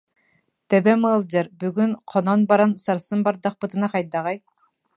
Төбөм ыалдьар, бүгүн хонон баран сарсын бардахпытына хайдаҕый